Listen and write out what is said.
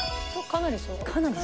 かなりそう。